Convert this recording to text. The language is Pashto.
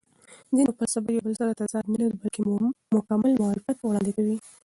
دین او فلسفه یو بل سره تضاد نه لري، بلکې مکمل معرفت وړاندې کوي.